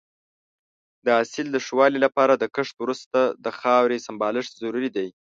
د حاصل د ښه والي لپاره د کښت وروسته د خاورې سمبالښت ضروري دی.